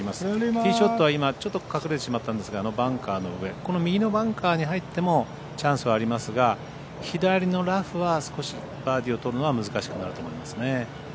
ティーショットはあのバンカーの上この右のバンカーに入ってもチャンスはありますが、左のラフは少しバーディーをとるのは難しくなると思いますね。